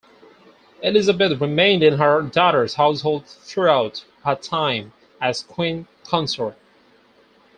Elizabeth remained in her daughter's household throughout her time as queen consort.